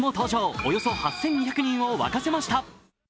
およそ８２００人を沸かせました。